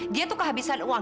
dia tuh kehabisan uang